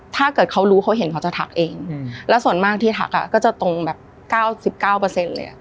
ถ้าเกิดเขารู้เขาเห็นเขาจะทักเองแล้วส่วนมากที่ทักก็จะตรงแบบ๙๙เลย